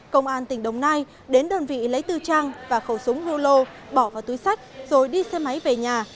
công an tỉnh đồng nai đến đơn vị lấy tư trang và khẩu súng hưu lô bỏ vào túi sách rồi đi xe máy về nhà